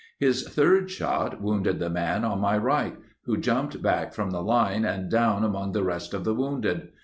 His third shot wounded the man on my right, who jumped back from the line and down among the rest of the wounded.